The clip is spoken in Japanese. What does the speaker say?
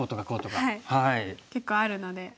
はい結構あるので。